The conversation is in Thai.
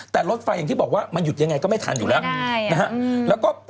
แต่รถไฟมันหยุดอย่างไรก็ไม่ทันอยู่แล้ว